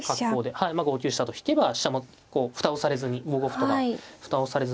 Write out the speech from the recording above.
はいまあ５九飛車と引けば飛車もこう蓋をされずに５五歩とか蓋をされずに済みますからね。